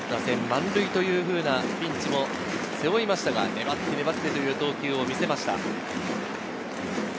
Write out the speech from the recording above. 満塁のピンチも背負いましたが、粘って粘ってという投球を見せました。